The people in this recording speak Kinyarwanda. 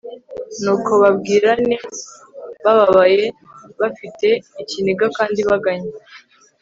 nuko babwirane bababaye, bafite ikiniga kandi baganya